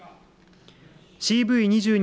ＣＶ２２